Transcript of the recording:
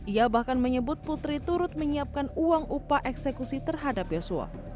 ia bahkan menyebut putri turut menyiapkan uang upah eksekusi terhadap yosua